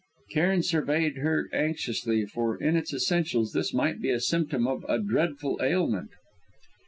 Cairn surveyed her anxiously, for in its essentials this might be a symptom of a dreadful ailment.